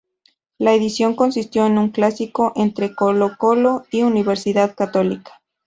La edición consistió en un clásico entre Colo-Colo y Universidad Católica.